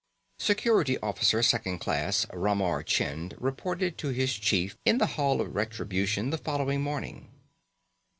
Security Officer Second Class Ramar Chind reported to his Chief in the Hall of Retribution the following morning.